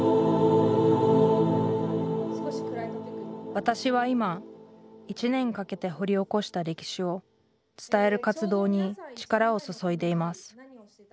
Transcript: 私は今１年かけて掘り起こした歴史を伝える活動に力を注いでいます。